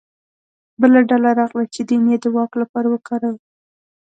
بله ډله راغله چې دین یې د واک لپاره وکاروه